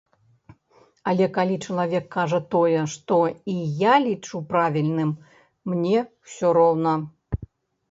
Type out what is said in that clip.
Але калі чалавек кажа тое, што і я лічу правільным, мне ўсё роўна.